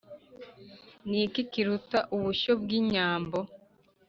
ni iki kiruta ubushyo bw' inyambo